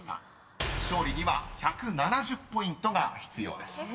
［勝利には１７０ポイントが必要です］